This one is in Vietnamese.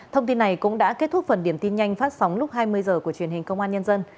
thông tin này cũng đã kết thúc phần điểm tin nhanh phát sóng lúc hai mươi h của truyền hình công an nhân dân